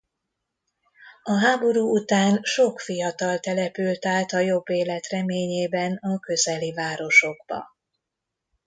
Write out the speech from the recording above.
A háború után sok fiatal települt át a jobb élet reményében a közeli városokba.